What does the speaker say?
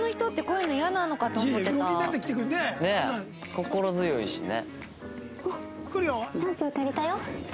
心強いしね。